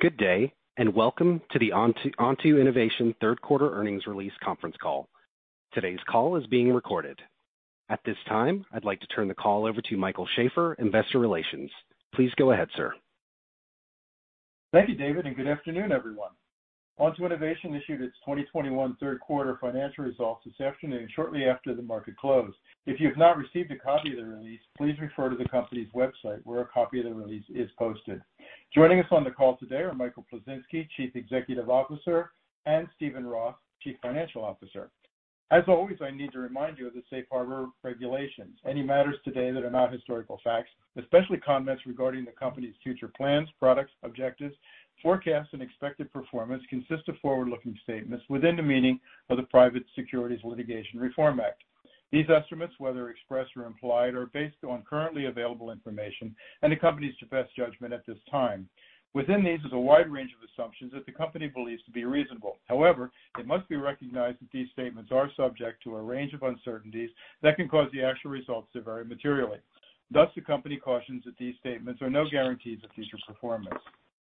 Good day, and welcome to the Onto Innovation third quarter earnings release conference call. Today's call is being recorded. At this time, I'd like to turn the call over to Michael Sheaffer, Investor Relations. Please go ahead, sir. Thank you, David, and good afternoon, everyone. Onto Innovation issued its 2021 third quarter financial results this afternoon shortly after the market closed. If you have not received a copy of the release, please refer to the company's website where a copy of the release is posted. Joining us on the call today are Michael Plisinski, Chief Executive Officer, and Steven Roth, Chief Financial Officer. As always, I need to remind you of the safe harbor regulations. Any matters today that are not historical facts, especially comments regarding the company's future plans, products, objectives, forecasts, and expected performance consist of forward-looking statements within the meaning of the Private Securities Litigation Reform Act. These estimates, whether expressed or implied, are based on currently available information and the company's best judgment at this time. Within these is a wide range of assumptions that the company believes to be reasonable. However, it must be recognized that these statements are subject to a range of uncertainties that can cause the actual results to vary materially. Thus, the company cautions that these statements are no guarantees of future performance.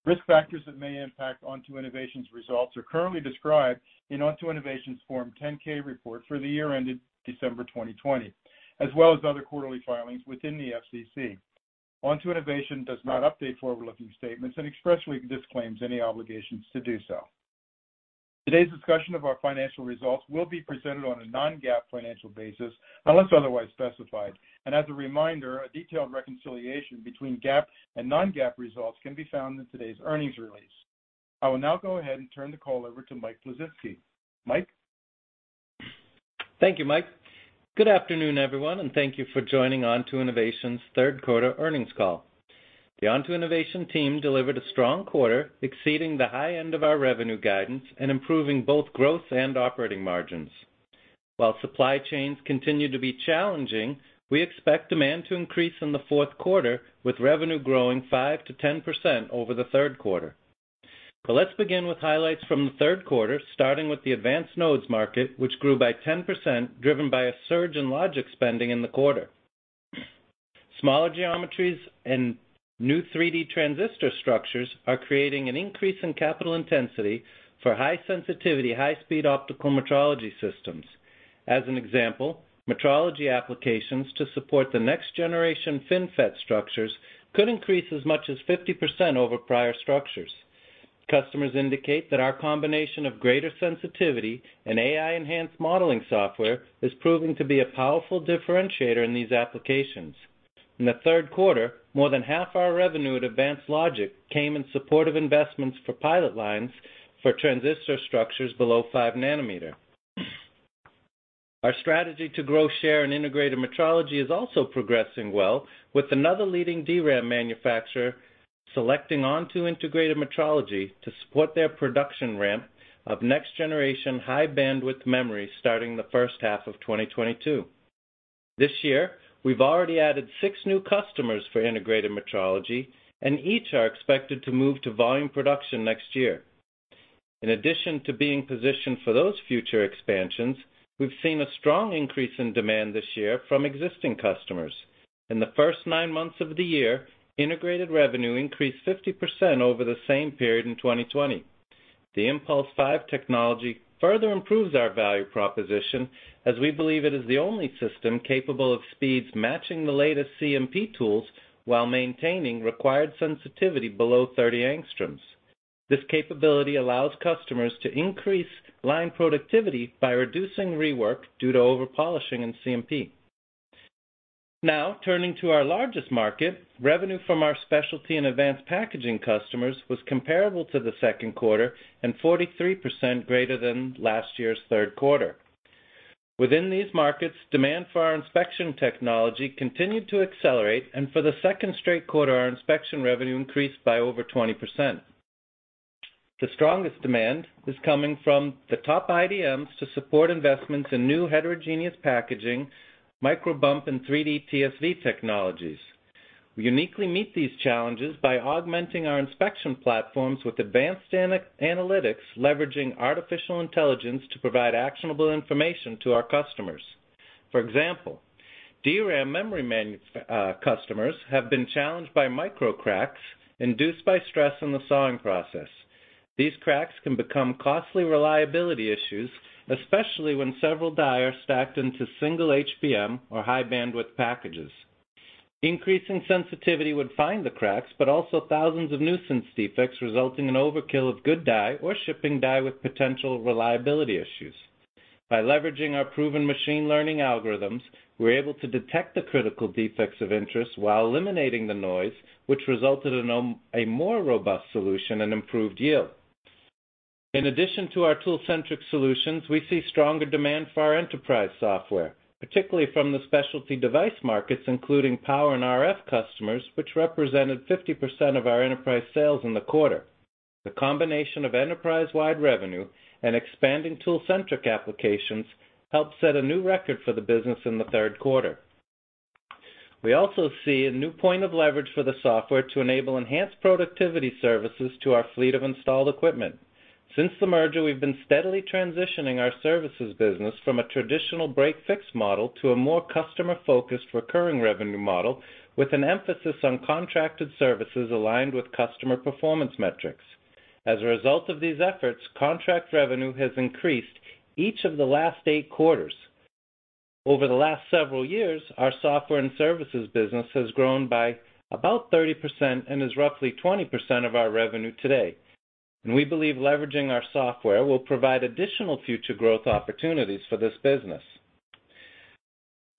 Risk factors that may impact Onto Innovation's results are currently described in Onto Innovation's Form 10-K report for the year ended December 2020, as well as other quarterly filings within the SEC. Onto Innovation does not update forward-looking statements and expressly disclaims any obligations to do so. Today's discussion of our financial results will be presented on a non-GAAP financial basis, unless otherwise specified. As a reminder, a detailed reconciliation between GAAP and non-GAAP results can be found in today's earnings release. I will now go ahead and turn the call over to Mike Plisinski. Mike? Thank you, Mike. Good afternoon, everyone, and thank you for joining Onto Innovation's third quarter earnings call. The Onto Innovation team delivered a strong quarter, exceeding the high end of our revenue guidance and improving both growth and operating margins. While supply chains continue to be challenging, we expect demand to increase in the fourth quarter, with revenue growing 5%-10% over the third quarter. Let's begin with highlights from the third quarter, starting with the advanced nodes market, which grew by 10%, driven by a surge in logic spending in the quarter. Smaller geometries and new 3D transistor structures are creating an increase in capital intensity for high sensitivity, high-speed optical metrology systems. As an example, metrology applications to support the next generation FinFET structures could increase as much as 50% over prior structures. Customers indicate that our combination of greater sensitivity and AI-enhanced modeling software is proving to be a powerful differentiator in these applications. In the third quarter, more than half our revenue at Advanced Logic came in support of investments for pilot lines for transistor structures below 5 nanometer. Our strategy to grow share in integrated metrology is also progressing well, with another leading DRAM manufacturer selecting Onto Integrated Metrology to support their production ramp of next-generation high-bandwidth memory starting the first half of 2022. This year, we've already added six new customers for integrated metrology, and each are expected to move to volume production next year. In addition to being positioned for those future expansions, we've seen a strong increase in demand this year from existing customers. In the first 9 months of the year, integrated revenue increased 50% over the same period in 2020. The IMPULSE® 5 technology further improves our value proposition as we believe it is the only system capable of speeds matching the latest CMP tools while maintaining required sensitivity below 30 angstroms. This capability allows customers to increase line productivity by reducing rework due to over-polishing in CMP. Now, turning to our largest market, revenue from our specialty and advanced packaging customers was comparable to the second quarter and 43% greater than last year's third quarter. Within these markets, demand for our inspection technology continued to accelerate, and for the second straight quarter, our inspection revenue increased by over 20%. The strongest demand is coming from the top IDMs to support investments in new heterogeneous packaging, micro bump, and 3D TSV technologies. We uniquely meet these challenges by augmenting our inspection platforms with advanced analytics, leveraging artificial intelligence to provide actionable information to our customers. For example, DRAM memory customers have been challenged by micro cracks induced by stress in the sawing process. These cracks can become costly reliability issues, especially when several die are stacked into single HBM or high bandwidth packages. Increasing sensitivity would find the cracks, but also thousands of nuisance defects, resulting in overkill of good die or shipping die with potential reliability issues. By leveraging our proven machine learning algorithms, we're able to detect the critical defects of interest while eliminating the noise, which resulted in a more robust solution and improved yield. In addition to our tool-centric solutions, we see stronger demand for our enterprise software, particularly from the specialty device markets, including power and RF customers, which represented 50% of our enterprise sales in the quarter. The combination of enterprise-wide revenue and expanding tool-centric applications helped set a new record for the business in the third quarter. We also see a new point of leverage for the software to enable enhanced productivity services to our fleet of installed equipment. Since the merger, we've been steadily transitioning our services business from a traditional break-fix model to a more customer-focused recurring revenue model with an emphasis on contracted services aligned with customer performance metrics. As a result of these efforts, contract revenue has increased each of the last eight quarters. Over the last several years, our software and services business has grown by about 30% and is roughly 20% of our revenue today. We believe leveraging our software will provide additional future growth opportunities for this business.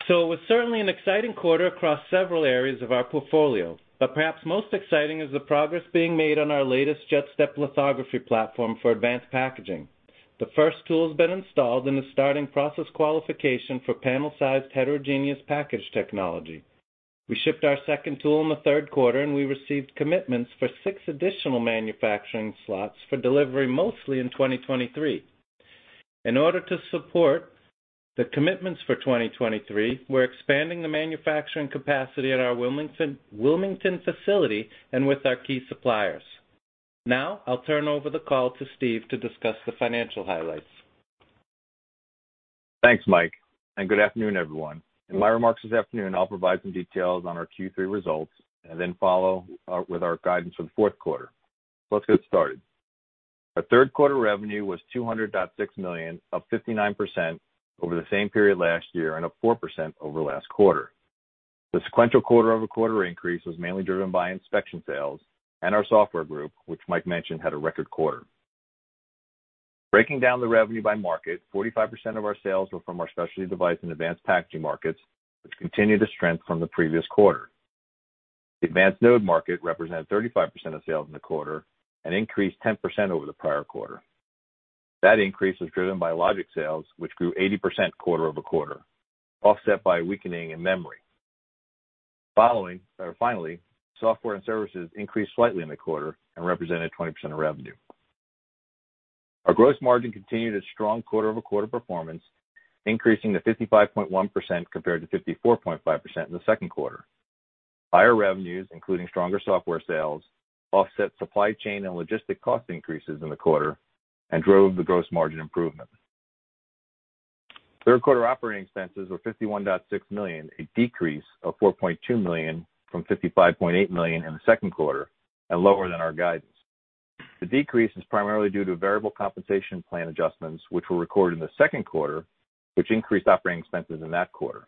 It was certainly an exciting quarter across several areas of our portfolio, but perhaps most exciting is the progress being made on our latest JetStep lithography platform for advanced packaging. The first tool has been installed and is starting process qualification for panel-sized heterogeneous package technology. We shipped our second tool in the third quarter, and we received commitments for six additional manufacturing slots for delivery mostly in 2023. In order to support the commitments for 2023, we're expanding the manufacturing capacity at our Wilmington facility and with our key suppliers. Now, I'll turn over the call to Steve to discuss the financial highlights. Thanks, Mike, and good afternoon, everyone. In my remarks this afternoon, I'll provide some details on our Q3 results and then follow with our guidance for the fourth quarter. Let's get started. Our third quarter revenue was $200.6 million, up 59% over the same period last year and up 4% over last quarter. The sequential quarter-over-quarter increase was mainly driven by inspection sales and our software group, which Mike mentioned had a record quarter. Breaking down the revenue by market, 45% of our sales were from our specialty device and advanced packaging markets, which continued to strengthen from the previous quarter. The advanced node market represented 35% of sales in the quarter and increased 10% over the prior quarter. That increase was driven by logic sales, which grew 80% quarter-over-quarter, offset by a weakening in memory. Following... Finally, software and services increased slightly in the quarter and represented 20% of revenue. Our gross margin continued its strong quarter-over-quarter performance, increasing to 55.1% compared to 54.5% in the second quarter. Higher revenues, including stronger software sales, offset supply chain and logistic cost increases in the quarter and drove the gross margin improvement. Third quarter operating expenses were $51.6 million, a decrease of $4.2 million from $55.8 million in the second quarter and lower than our guidance. The decrease is primarily due to variable compensation plan adjustments which were recorded in the second quarter, which increased operating expenses in that quarter.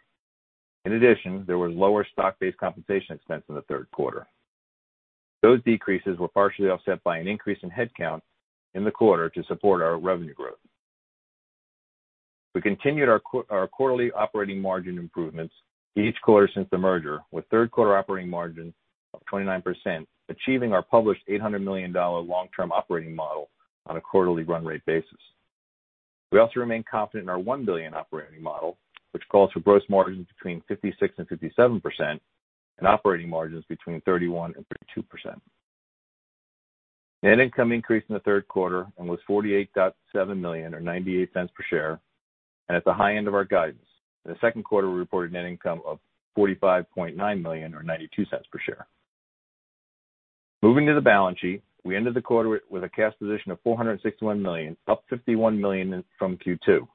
In addition, there was lower stock-based compensation expense in the third quarter. Those decreases were partially offset by an increase in headcount in the quarter to support our revenue growth. We continued our quarterly operating margin improvements each quarter since the merger, with third quarter operating margin of 29%, achieving our published $800 million long-term operating model on a quarterly run rate basis. We also remain confident in our $1 billion operating model, which calls for gross margins between 56% and 57% and operating margins between 31% and 32%. Net income increased in the third quarter and was $48.7 million or $0.98 per share, and at the high end of our guidance. In the second quarter, we reported net income of $45.9 million or $0.92 per share. Moving to the balance sheet, we ended the quarter with a cash position of $461 million, up $51 million from Q2.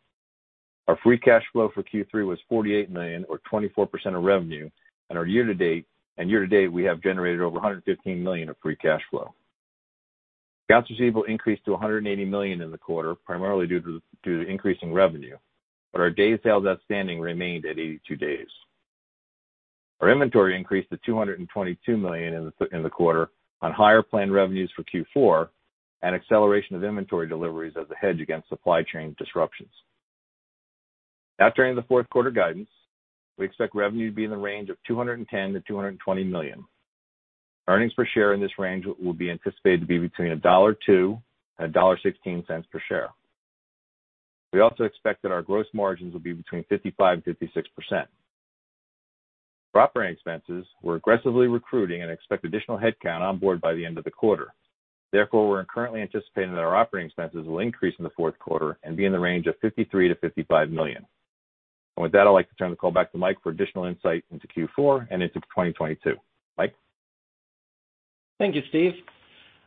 Our free cash flow for Q3 was $48 million or 24% of revenue, and year to date we have generated over $115 million of free cash flow. Accounts receivable increased to $180 million in the quarter, primarily due to increasing revenue, but our day sales outstanding remained at 82 days. Our inventory increased to $222 million in the quarter on higher planned revenues for Q4 and acceleration of inventory deliveries as a hedge against supply chain disruptions. Now turning to the fourth quarter guidance. We expect revenue to be in the range of $210 million-$220 million. Earnings per share in this range will be anticipated to be between $1.02 and $1.16 per share. We also expect that our gross margins will be between 55%-56%. For operating expenses, we're aggressively recruiting and expect additional headcount on board by the end of the quarter. Therefore, we're currently anticipating that our operating expenses will increase in the fourth quarter and be in the range of $53 million-$55 million. With that, I'd like to turn the call back to Mike for additional insight into Q4 and into 2022. Mike? Thank you, Steve.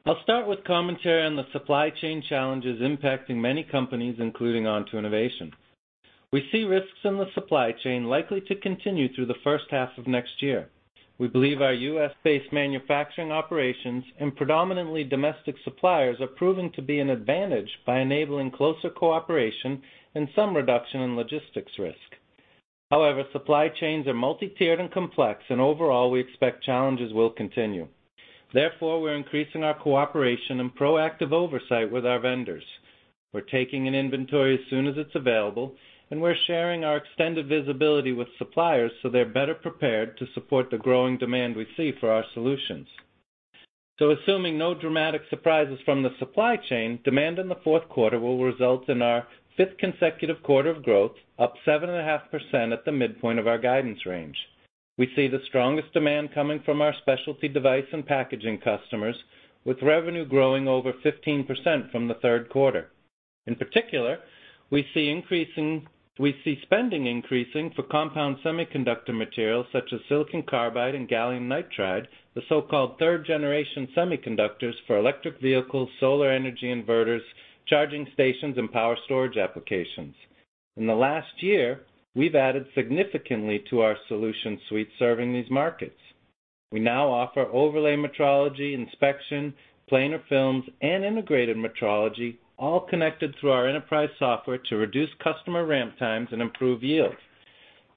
I'll start with commentary on the supply chain challenges impacting many companies, including Onto Innovation. We see risks in the supply chain likely to continue through the first half of next year. We believe our U.S.-based manufacturing operations and predominantly domestic suppliers are proving to be an advantage by enabling closer cooperation and some reduction in logistics risk. However, supply chains are multi-tiered and complex, and overall, we expect challenges will continue. Therefore, we're increasing our cooperation and proactive oversight with our vendors. We're taking in inventory as soon as it's available, and we're sharing our extended visibility with suppliers so they're better prepared to support the growing demand we see for our solutions. Assuming no dramatic surprises from the supply chain, demand in the fourth quarter will result in our fifth consecutive quarter of growth, up 7.5% at the midpoint of our guidance range. We see the strongest demand coming from our specialty device and packaging customers, with revenue growing over 15% from the third quarter. In particular, we see spending increasing for compound semiconductor materials such as silicon carbide and gallium nitride, the so-called third generation semiconductors for electric vehicles, solar energy inverters, charging stations, and power storage applications. In the last year, we've added significantly to our solution suite serving these markets. We now offer overlay metrology, inspection, planar films, and integrated metrology, all connected through our enterprise software to reduce customer ramp times and improve yield.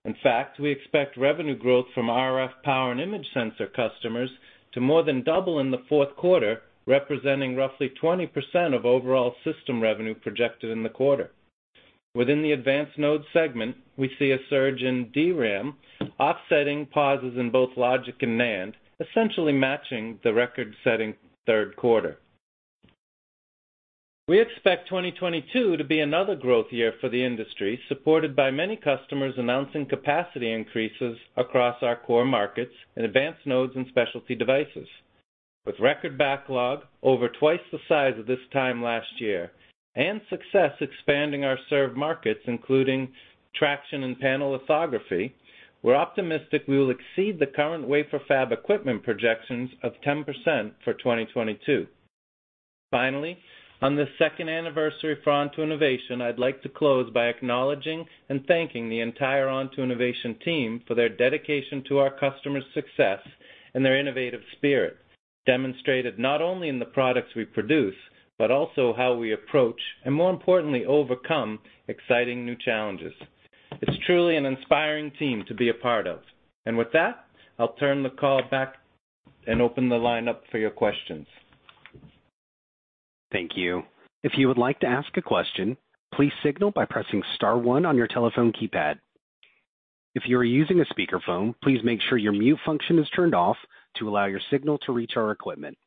In fact, we expect revenue growth from RF power and image sensor customers to more than double in the fourth quarter, representing roughly 20% of overall system revenue projected in the quarter. Within the advanced node segment, we see a surge in DRAM offsetting pauses in both logic and NAND, essentially matching the record-setting third quarter. We expect 2022 to be another growth year for the industry, supported by many customers announcing capacity increases across our core markets in advanced nodes and specialty devices. With record backlog over twice the size of this time last year and success expanding our served markets, including traction and panel lithography, we're optimistic we will exceed the current wafer fab equipment projections of 10% for 2022. Finally, on this second anniversary for Onto Innovation, I'd like to close by acknowledging and thanking the entire Onto Innovation team for their dedication to our customers' success and their innovative spirit, demonstrated not only in the products we produce, but also how we approach, and more importantly, overcome exciting new challenges. It's truly an inspiring team to be a part of. With that, I'll turn the call back and open the line up for your questions. Thank you. If you would like to ask a question, please signal by pressing star one on your telephone keypad. If you are using a speakerphone, please make sure your mute function is turned off to allow your signal to reach our equipment.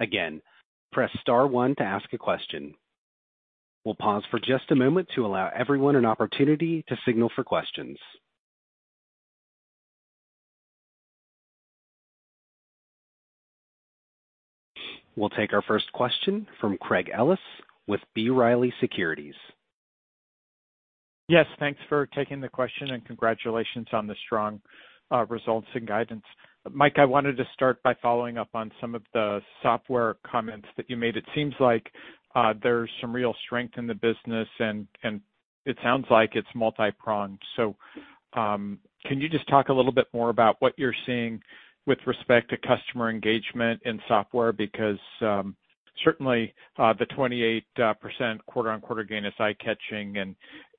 Again, press star one to ask a question. We'll pause for just a moment to allow everyone an opportunity to signal for questions. We'll take our first question from Craig Ellis with B. Riley Securities. Yes, thanks for taking the question and congratulations on the strong results and guidance. Mike, I wanted to start by following up on some of the software comments that you made. It seems like there's some real strength in the business, and it sounds like it's multi-pronged. Can you just talk a little bit more about what you're seeing with respect to customer engagement in software? Because certainly the 28% quarter-on-quarter gain is eye-catching,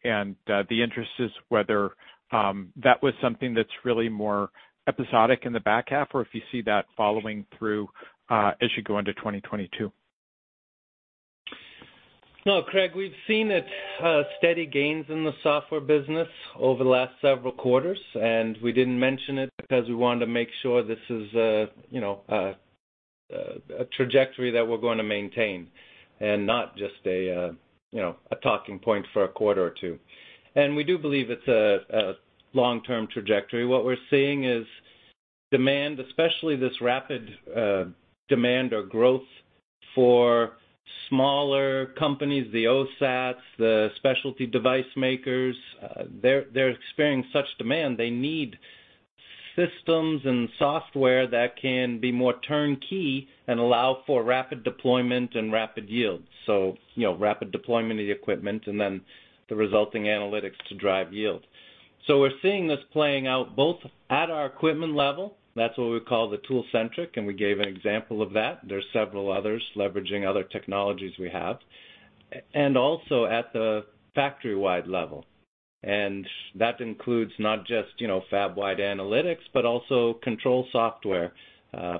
and the interest is whether that was something that's really more episodic in the back half, or if you see that following through as you go into 2022. No, Craig. We've seen it, steady gains in the software business over the last several quarters, and we didn't mention it because we wanted to make sure this is a, you know, trajectory that we're gonna maintain and not just a, you know, talking point for a quarter or two. We do believe it's a long-term trajectory. What we're seeing is demand, especially this rapid, demand or growth for smaller companies, the OSATs, the specialty device makers, they're experiencing such demand. They need systems and software that can be more turnkey and allow for rapid deployment and rapid yield. You know, rapid deployment of the equipment, and then the resulting analytics to drive yield. We're seeing this playing out both at our equipment level, that's what we call the tool-centric, and we gave an example of that. There are several others leveraging other technologies we have. Also at the factory-wide level. That includes not just, you know, fab-wide analytics, but also control software,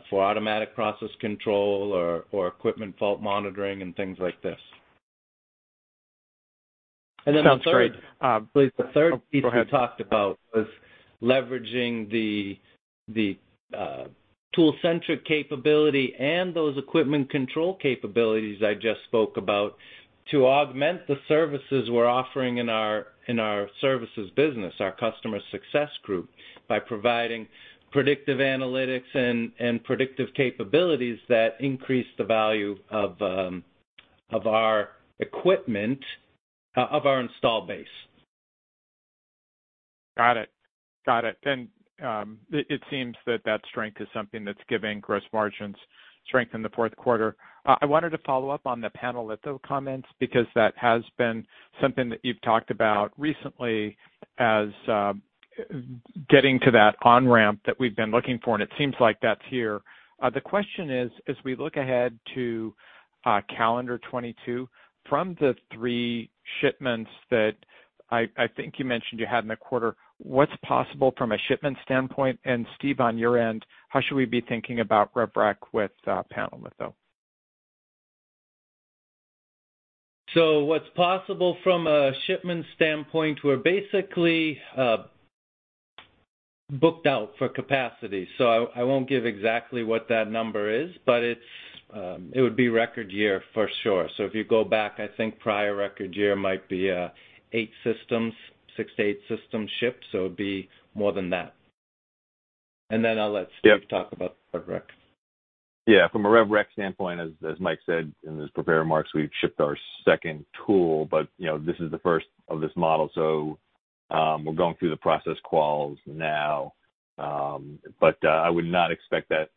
for automatic process control or equipment fault monitoring and things like this. Sounds great. The third. Oh, go ahead. The third piece we talked about was leveraging the tool-centric capability and those equipment control capabilities I just spoke about to augment the services we're offering in our services business, our customer success group, by providing predictive analytics and predictive capabilities that increase the value of our equipment, of our installed base. Got it. It seems that strength is something that's giving gross margins strength in the fourth quarter. I wanted to follow up on the panel litho comments because that has been something that you've talked about recently as getting to that on-ramp that we've been looking for, and it seems like that's here. The question is, as we look ahead to calendar 2022, from the three shipments that I think you mentioned you had in the quarter, what's possible from a shipment standpoint? Steve, on your end, how should we be thinking about rev rec with panel litho? What's possible from a shipment standpoint, we're basically booked out for capacity. I won't give exactly what that number is, but it would be record year for sure. If you go back, I think prior record year might be eight systems, 6-8 systems shipped. It'd be more than that. Then I'll let Steve talk about rev rec. Yeah. From a rev rec standpoint, as Mike said in his prepared remarks, we've shipped our second tool, but, you know, this is the first of this model. We're going through the process quals now. But I would not expect that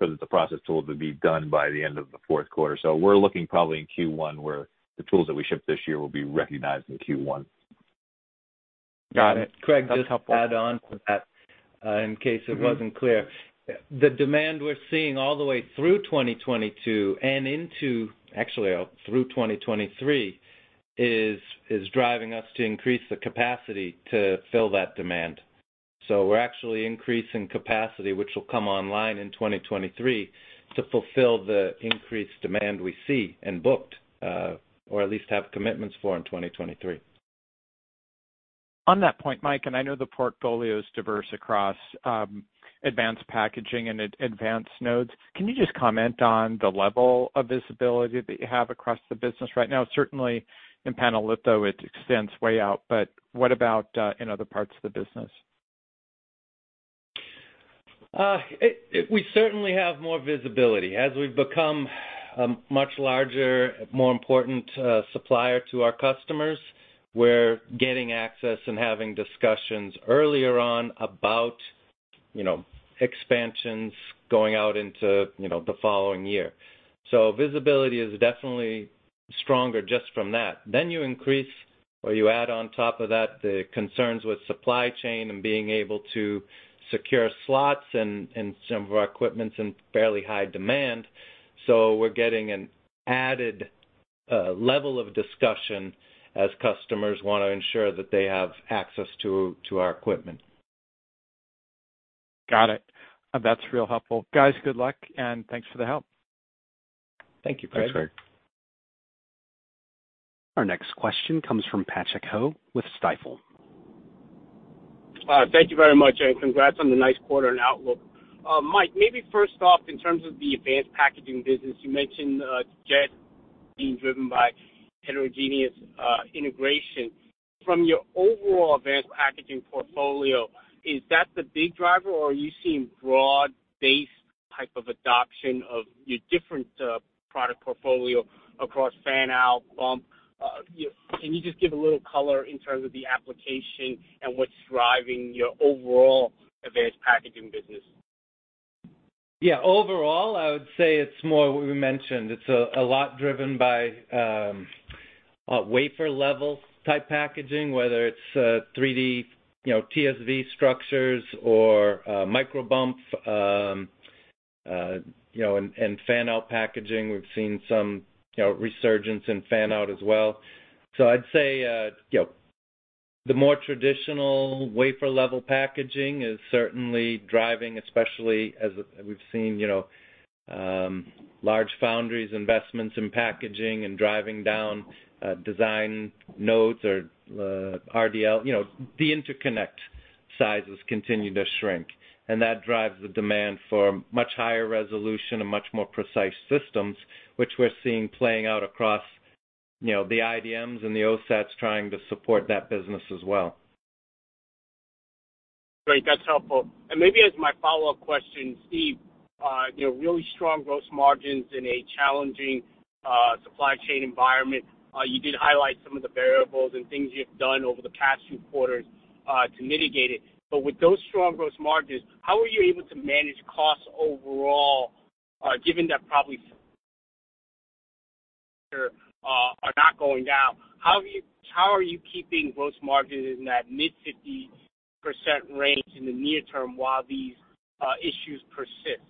the process quals would be done by the end of the fourth quarter. We're looking probably in Q1, where the tools that we ship this year will be recognized in Q1. Got it. That's helpful. Craig, just add on to that, in case it wasn't clear. Mm-hmm. The demand we're seeing all the way through 2022 and into actually through 2023 is driving us to increase the capacity to fill that demand. We're actually increasing capacity, which will come online in 2023 to fulfill the increased demand we see and booked, or at least have commitments for in 2023. On that point, Mike, and I know the portfolio is diverse across advanced packaging and advanced nodes. Can you just comment on the level of visibility that you have across the business right now? Certainly in panel litho, it extends way out, but what about in other parts of the business? We certainly have more visibility. As we've become a much larger, more important supplier to our customers, we're getting access and having discussions earlier on about, you know, expansions going out into, you know, the following year. Visibility is definitely stronger just from that. You increase or you add on top of that the concerns with supply chain and being able to secure slots and some of our equipment's in fairly high demand. We're getting an added level of discussion as customers wanna ensure that they have access to our equipment. Got it. That's real helpful. Guys, good luck, and thanks for the help. Thank you, Craig. Thanks, Craig. Our next question comes from Patrick Ho with Stifel. Thank you very much, and congrats on the nice quarter and outlook. Mike, maybe first off, in terms of the advanced packaging business, you mentioned JetStep being driven by heterogeneous integration. From your overall advanced packaging portfolio, is that the big driver or are you seeing broad-based type of adoption of your different product portfolio across fan-out bump? Can you just give a little color in terms of the application and what's driving your overall advanced packaging business? Yeah. Overall, I would say it's more what we mentioned. It's a lot driven by wafer-level type packaging, whether it's 3D, you know, TSV structures or micro bump, you know, and fan-out packaging. We've seen some, you know, resurgence in fan-out as well. I'd say, you know, the more traditional wafer-level packaging is certainly driving, especially as we've seen, you know, large foundries investments in packaging and driving down design nodes or RDL. You know, the interconnect sizes continue to shrink, and that drives the demand for much higher resolution and much more precise systems, which we're seeing playing out across, you know, the IDMs and the OSATs trying to support that business as well. Great. That's helpful. Maybe as my follow-up question, Steve, you know, really strong gross margins in a challenging supply chain environment. You did highlight some of the variables and things you've done over the past few quarters to mitigate it. With those strong gross margins, how are you able to manage costs overall, given that costs probably are not going down? How are you keeping gross margins in that mid-50% range in the near term while these issues persist?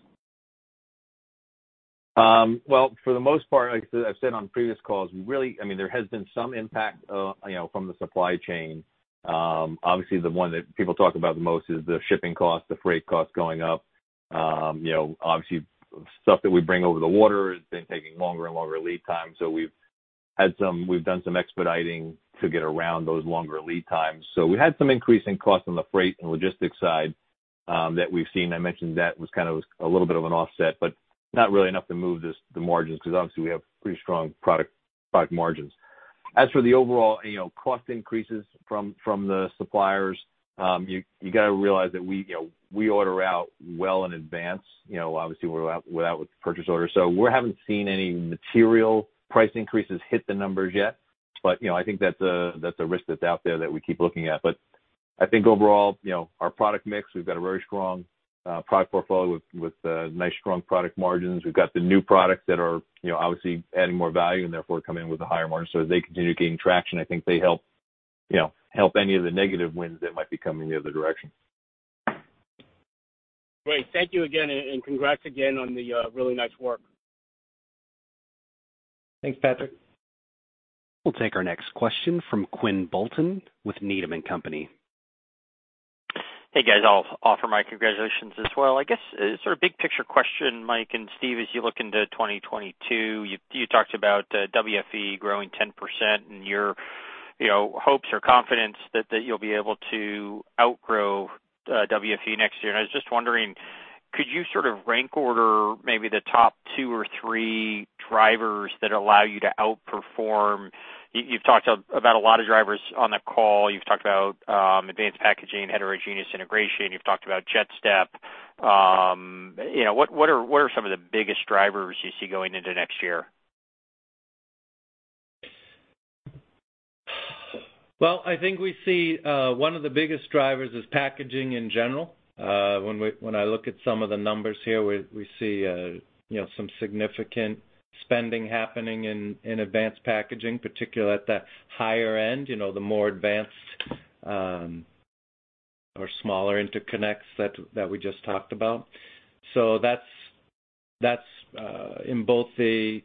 Well, for the most part, like I've said on previous calls, I mean, there has been some impact, you know, from the supply chain. Obviously the one that people talk about the most is the shipping cost, the freight cost going up. You know, obviously stuff that we bring over the water has been taking longer and longer lead time. We've done some expediting to get around those longer lead times. So we had some increase in cost on the freight and logistics side, that we've seen. I mentioned that was kind of a little bit of an offset, but not really enough to move the margins, because obviously we have pretty strong product margins. As for the overall, you know, cost increases from the suppliers, you got to realize that we, you know, we order out well in advance, you know, obviously with our purchase order. We haven't seen any material price increases hit the numbers yet. You know, I think that's a risk that's out there that we keep looking at. I think overall, you know, our product mix, we've got a very strong product portfolio with nice strong product margins. We've got the new products that are, you know, obviously adding more value and therefore coming with a higher margin. As they continue gaining traction, I think they help, you know, any of the negative winds that might be coming the other direction. Great. Thank you again, and congrats again on the really nice work. Thanks, Patrick. We'll take our next question from Quinn Bolton with Needham & Company. Hey, guys. I'll offer my congratulations as well. I guess sort of big picture question, Mike and Steve, as you look into 2022, you talked about WFE growing 10% and your, you know, hopes or confidence that you'll be able to outgrow WFE next year. I was just wondering. Could you sort of rank order maybe the top two or three drivers that allow you to outperform? You've talked about a lot of drivers on the call. You've talked about advanced packaging, heterogeneous integration. You've talked about JetStep. You know, what are some of the biggest drivers you see going into next year? Well, I think we see one of the biggest drivers is packaging in general. When I look at some of the numbers here, we see you know some significant spending happening in advanced packaging, particularly at the higher end, you know, the more advanced or smaller interconnects that we just talked about. So that's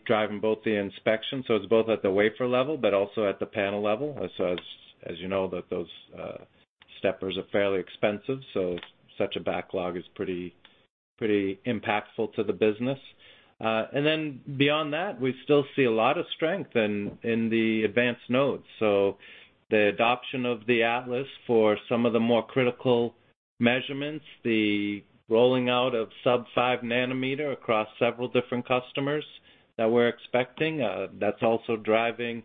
driving both the inspection, so it's both at the wafer level, but also at the panel level. So as you know, those steppers are fairly expensive, so such a backlog is pretty impactful to the business. Then beyond that, we still see a lot of strength in the advanced nodes. The adoption of the Atlas for some of the more critical measurements, the rolling out of sub-5 nanometer across several different customers that we're expecting, that's also driving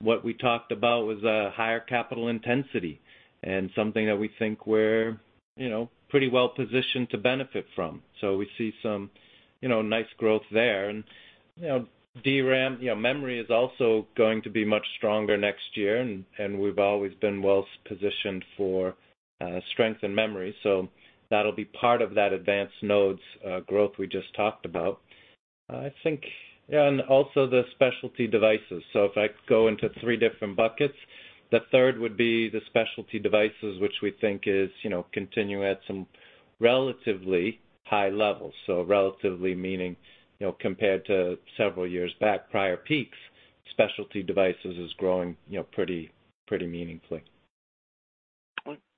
what we talked about was a higher capital intensity and something that we think we're, you know, pretty well positioned to benefit from. We see some, you know, nice growth there. You know, DRAM, you know, memory is also going to be much stronger next year, and we've always been well positioned for strength in memory. That'll be part of that advanced nodes growth we just talked about. I think, yeah, and also the specialty devices. If I go into three different buckets, the third would be the specialty devices which we think is, you know, continue at some relatively high levels. Relatively meaning, you know, compared to several years back, prior peaks, specialty devices is growing, you know, pretty meaningfully.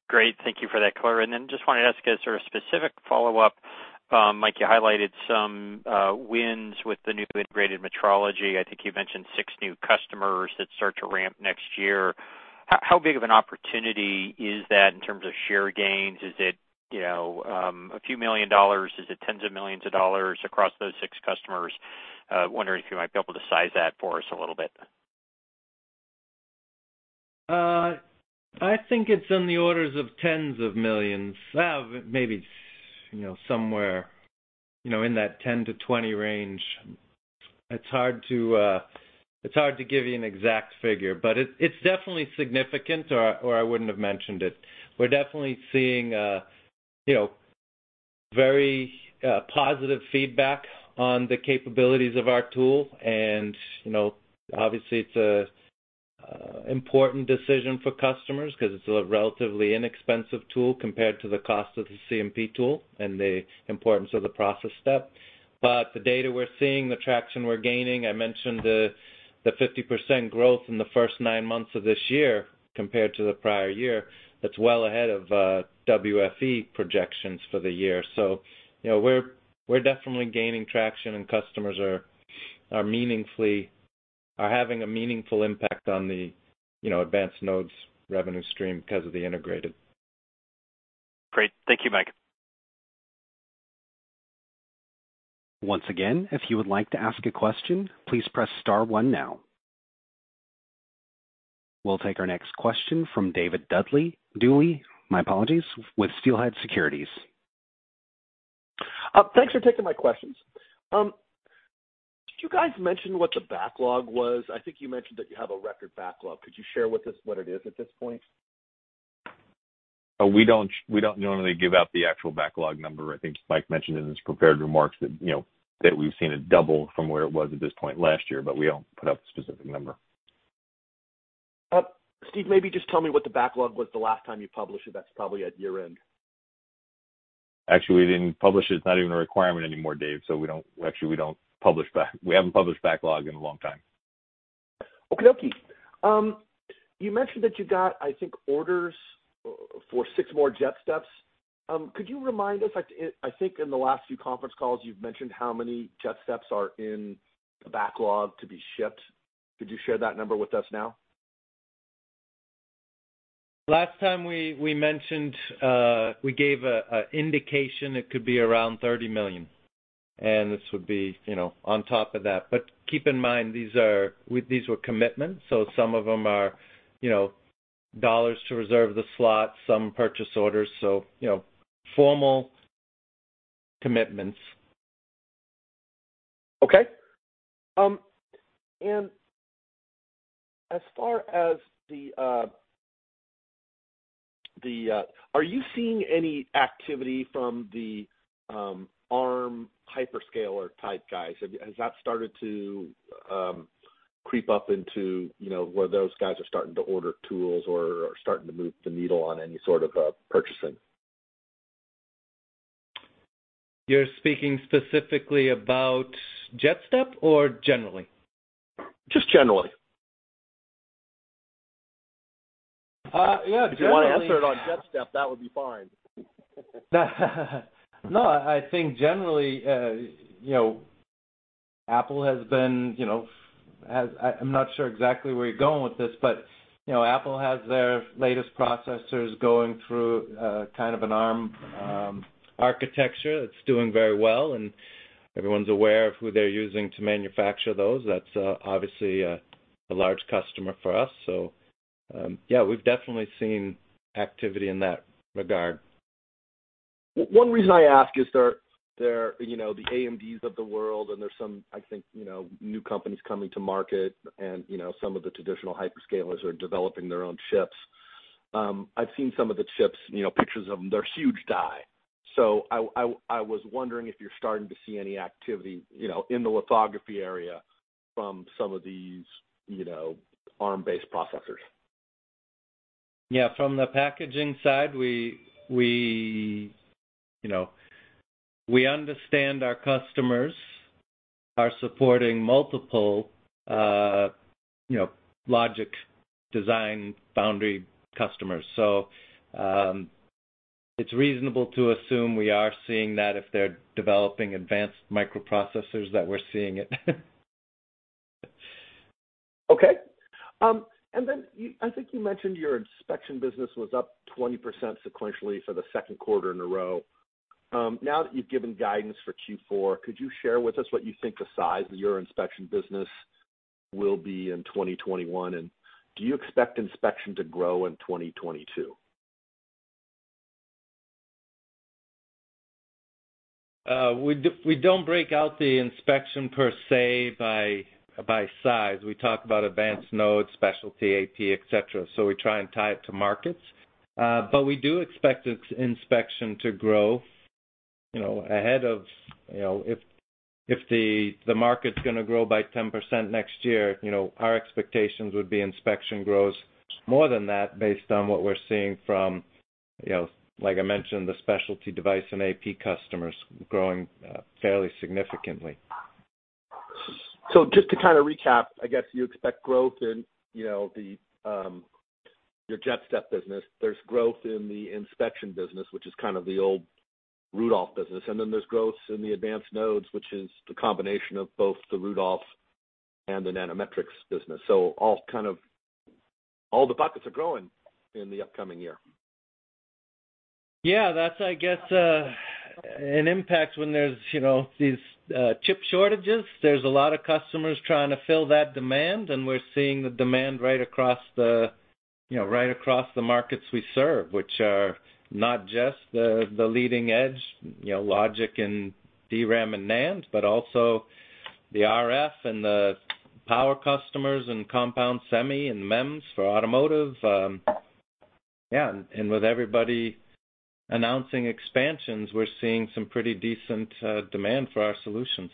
Great. Thank you for that color. Just wanted to ask a sort of specific follow-up. Mike, you highlighted some wins with the new integrated metrology. I think you mentioned six new customers that start to ramp next year. How big of an opportunity is that in terms of share gains? Is it, you know, a few million dollars? Is it tens of millions of dollars across those six customers? Wondering if you might be able to size that for us a little bit. I think it's in the orders of tens of millions. Maybe, you know, somewhere, you know, in that $10-$20 million range. It's hard to give you an exact figure, but it's definitely significant, or I wouldn't have mentioned it. We're definitely seeing, you know, very positive feedback on the capabilities of our tool. You know, obviously it's an important decision for customers 'cause it's a relatively inexpensive tool compared to the cost of the CMP tool and the importance of the process step. The data we're seeing, the traction we're gaining, I mentioned the 50% growth in the first nine months of this year compared to the prior year. That's well ahead of WFE projections for the year. You know, we're definitely gaining traction, and customers are meaningfully. are having a meaningful impact on the, you know, advanced nodes revenue stream because of the integrated. Great. Thank you, Mike. Once again, if you would like to ask a question, please press star one now. We'll take our next question from David Dooley. Dooley, my apologies, with Steelhead Securities. Thanks for taking my questions. Did you guys mention what the backlog was? I think you mentioned that you have a record backlog. Could you share with us what it is at this point? Oh, we don't normally give out the actual backlog number. I think Mike mentioned in his prepared remarks that, you know, that we've seen it double from where it was at this point last year, but we don't put out the specific number. Steve, maybe just tell me what the backlog was the last time you published it. That's probably at year-end. Actually, we didn't publish it. It's not even a requirement anymore, Dave. Actually, we don't publish backlog. We haven't published backlog in a long time. Okie dokie. You mentioned that you got, I think, orders for six more JetSteps. Could you remind us, I think in the last few conference calls you've mentioned how many JetSteps are in the backlog to be shipped. Could you share that number with us now? Last time we mentioned, we gave an indication it could be around $30 million, and this would be, you know, on top of that. But keep in mind, these were commitments, so some of them are, you know, dollars to reserve the slot, some purchase orders. You know, formal commitments. Okay. Are you seeing any activity from the Arm hyperscaler type guys? Has that started to creep up into, you know, where those guys are starting to order tools or are starting to move the needle on any sort of purchasing? You're speaking specifically about JetStep or generally? Just generally. Yeah, generally. If you wanna answer it on JetStep, that would be fine. No, I think generally, you know, Apple has been, you know. I'm not sure exactly where you're going with this, but, you know, Apple has their latest processors going through kind of an Arm architecture that's doing very well, and everyone's aware of who they're using to manufacture those. That's obviously a large customer for us. Yeah, we've definitely seen activity in that regard. One reason I ask is there are, you know, the AMDs of the world, and there's some, I think, you know, new companies coming to market and, you know, some of the traditional hyperscalers are developing their own chips. I've seen some of the chips, you know, pictures of them. They're huge die. So I was wondering if you're starting to see any activity, you know, in the lithography area from some of these, you know, Arm-based processors. Yeah. From the packaging side, you know, we understand our customers are supporting multiple, you know, logic design foundry customers, so it's reasonable to assume we are seeing that if they're developing advanced microprocessors that we're seeing it. Okay. I think you mentioned your inspection business was up 20% sequentially for the second quarter in a row. Now that you've given guidance for Q4, could you share with us what you think the size of your inspection business will be in 2021? Do you expect inspection to grow in 2022? We don't break out the inspection per se by size. We talk about advanced nodes, specialty, AP, et cetera. We try and tie it to markets. We do expect its inspection to grow, you know, ahead of, you know, if the market's gonna grow by 10% next year, you know, our expectations would be inspection grows more than that based on what we're seeing from, you know, like I mentioned, the specialty device and AP customers growing fairly significantly. Just to kind of recap, I guess you expect growth in, you know, your JetStep business. There's growth in the inspection business, which is kind of the old Rudolph business. There's growth in the advanced nodes, which is the combination of both the Rudolph and the Nanometrics business. All the buckets are growing in the upcoming year. Yeah. That's, I guess, an impact when there's, you know, these chip shortages. There's a lot of customers trying to fill that demand, and we're seeing the demand right across the, you know, right across the markets we serve, which are not just the leading edge, you know, logic and DRAM and NAND, but also the RF and the power customers and compound semi and MEMS for automotive. With everybody announcing expansions, we're seeing some pretty decent demand for our solutions.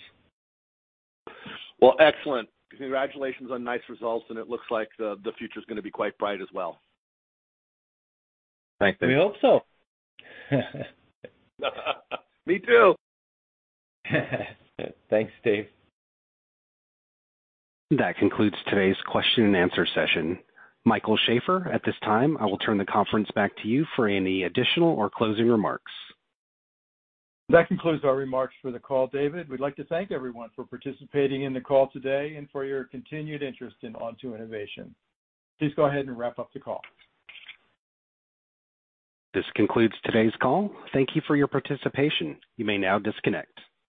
Well, excellent. Congratulations on nice results, and it looks like the future's gonna be quite bright as well. Thanks. We hope so. Me too. Thanks, Dave. That concludes today's question and answer session. Michael Sheaffer, at this time, I will turn the conference back to you for any additional or closing remarks. That concludes our remarks for the call, David. We'd like to thank everyone for participating in the call today and for your continued interest in Onto Innovation. Please go ahead and wrap up the call. This concludes today's call. Thank you for your participation. You may now disconnect.